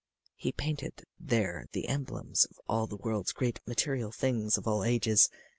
He painted there the emblems of all the world's great material things of all ages.